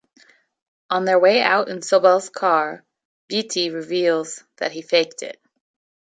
On their way out in Sobel's car, Vitti reveals that he faked it.